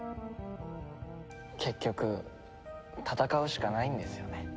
結局戦うしかないんですよね。